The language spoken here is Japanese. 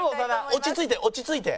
落ち着いて落ち着いて。